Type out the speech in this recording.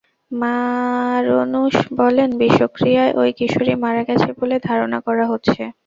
মারনুষ বলেন, বিষক্রিয়ায় ওই কিশোরী মারা গেছে বলে ধারণা করা হচ্ছে।